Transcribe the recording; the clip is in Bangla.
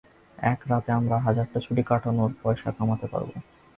এক রাতে আমরা হাজারটা ছুটি কাটানোর পয়সা কামাতে পারব।